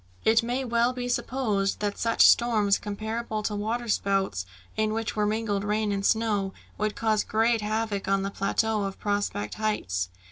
It may well be supposed that such storms, comparable to water spouts in which were mingled rain and snow, would cause great havoc on the plateau of Prospect Heights.